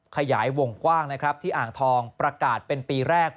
ขยายวงกว้างนะครับที่อ่างทองประกาศเป็นปีแรก